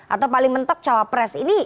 atau paling mentok cawapres ini